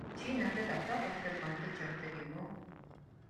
Чи надад одоо болтол гомдож явдаг юм уу?